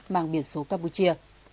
mang biển số campuchia